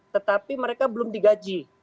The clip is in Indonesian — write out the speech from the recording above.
tetapi mereka belum digaji